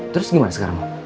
terus gimana sekarang